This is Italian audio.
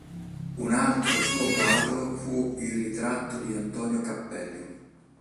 Un altro suo quadro fu il ritratto di Antonio Cappello.